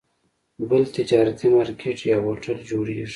بل تجارتي مارکیټ یا هوټل جوړېږي.